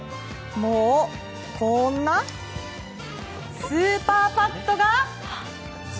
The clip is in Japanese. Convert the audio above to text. もうこんなスーパーパットが。